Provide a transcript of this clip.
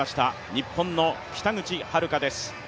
日本の北口榛花です。